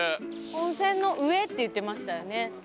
温泉の上って言ってましたよね。